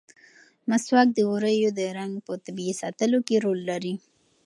مسواک د ووریو د رنګ په طبیعي ساتلو کې رول لري.